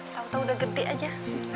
tahu tahu udah gede aja